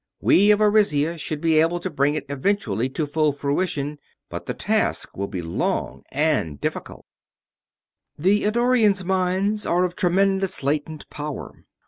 We of Arisia should be able to bring it eventually to full fruition, but the task will be long and difficult. "The Eddorians' minds are of tremendous latent power.